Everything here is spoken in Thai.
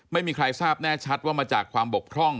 ไม่มีใครทราบแน่ชัดว่ามาจากความบกพร่อง